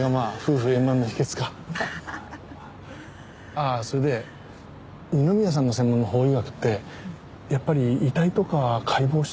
ああそれで二宮さんの専門の法医学ってやっぱり遺体とか解剖したりとかするの？